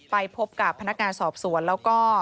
ไปพบกับพนักงานสอบสวนแล้วก็